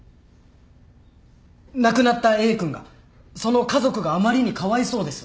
亡くなったＡ君がその家族があまりにかわいそうです。